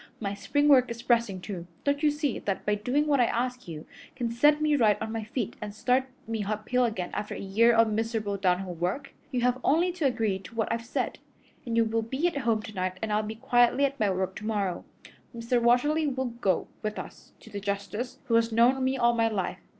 My spring work is pressing, too. Don't you see that by doing what I ask you can set me right on my feet and start me uphill again after a year of miserable downhill work? You have only to agree to what I've said, and you will be at home tonight and I'll be quietly at my work tomorrow. Mr. Watterly will go with us to the justice, who has known me all my life.